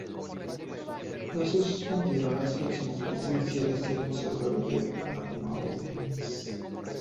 No se suspendieron las elecciones presidenciales y el vencedor fue Ramalho Eanes.